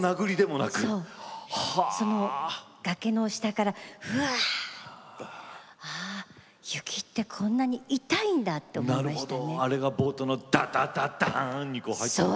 崖の下からふわっと雪ってこんなに痛いんだと思いました。